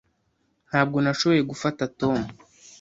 Ntabwo nashoboye gufata Tom.